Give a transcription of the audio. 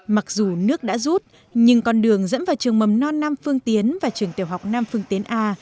mặc dù nước đã rút nhưng con đường dẫn vào trường mầm non nam phương tiến và trường tiểu học nam phương tiến a